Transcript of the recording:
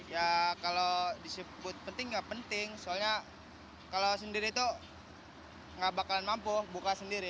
ya kalau disebut penting nggak penting soalnya kalau sendiri itu nggak bakalan mampu buka sendiri